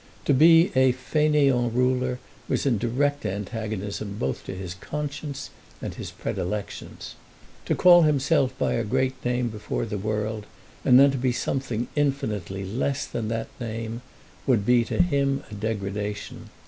To be a fainéant ruler was in direct antagonism both to his conscience and his predilections. To call himself by a great name before the world, and then to be something infinitely less than that name, would be to him a degradation.